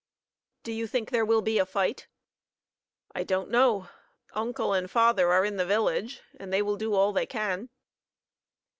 "Do you think there will be a fight?" "I don't know. Uncle and father are in the village, and they will do all they can."